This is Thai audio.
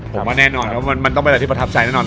ผมมาแน่นอนมันต้องไปในที่ประทับใจแน่นอน